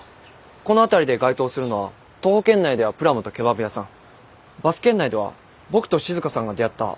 この辺りで該当するのは徒歩圏内ではぷらむとケバブ屋さんバス圏内では僕と静さんが出会ったあのファミレスのみです。